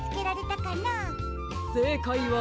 せいかいは。